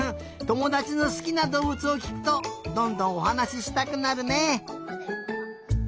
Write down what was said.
ともだちのすきなどうぶつをきくとどんどんおはなししたくなるね！